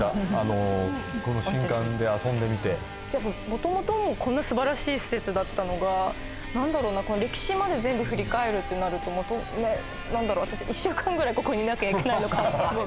もともとこんなすばらしい施設だったのが何だろうな歴史まで全部振り返るってなると何だろう私１週間ぐらいここにいなきゃいけないのかなと。